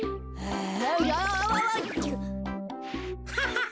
ハハハ！